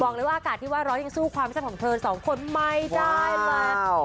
ขว้ามิสัพของเธอสองคนไม่ได้แมว